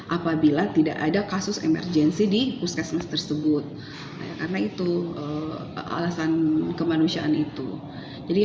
apabila tidak ada kasus emergensi di puskesmas tersebut karena itu alasan kemanusiaan itu jadi